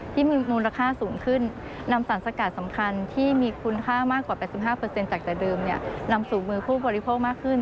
ที่มีมูลค่าสูงขึ้นนำสารสกัดสำคัญที่มีคุณค่ามากกว่า๘๕จากแต่เดิมนำสู่มือผู้บริโภคมากขึ้น